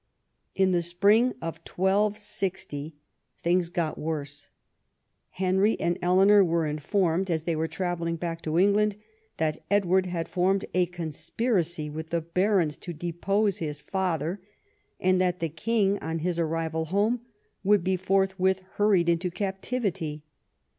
In the spring of 12 GO tilings got worse. Henry and Eleanor were informed, as they Avere travelling back to England, that Edward had formed a conspiracy with tlie barons to depose his father, and that the king on his arrival home would be forthwith hurried into captivity.